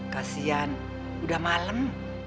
kasian udah malem